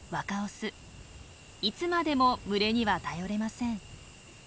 いつまでも群れには頼れません。